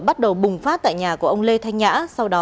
bắt đầu bùng phát tại nhà của ông lê thanh nhã